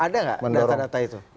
ada nggak data data itu